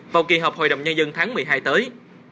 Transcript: vào kỳ họp hội đồng nhân dân tháng một mươi hai tới